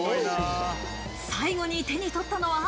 最後に手に取ったのは。